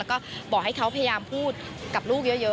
ก็บอกให้เขาพยายามพูดกับลูกเยอะ